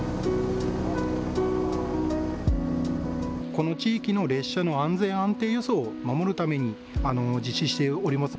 この地域の列車の安全、安定輸送を守るために実施しております。